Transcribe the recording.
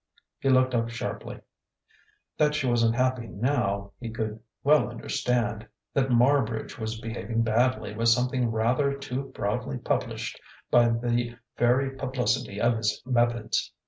He looked up sharply. That she wasn't happy now, he could well understand: that Marbridge was behaving badly was something rather too broadly published by the very publicity of his methods.